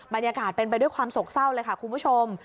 บรรยากาศเป็นไปด้วยความโศกเศร้าเลยค่ะคุณผู้ชม